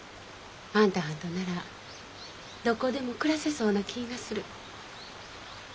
あんたはんとならどこでも暮らせそうな気がする。